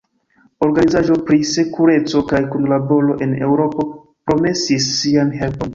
Organizaĵo pri Sekureco kaj Kunlaboro en Eŭropo promesis sian helpon.